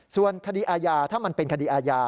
ส่วนคดีอาญาถ้ามันเป็นคดีอาญา